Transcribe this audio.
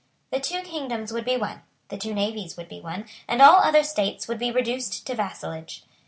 The two kingdoms would be one; the two navies would be one; and all other states would be reduced to vassalage.